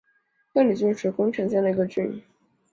亘理郡是宫城县的一郡。